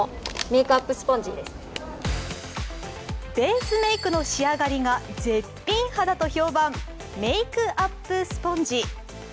ベースメークの仕上がりが絶品肌と評判メイクアップスポンジ。